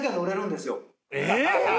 えっ！？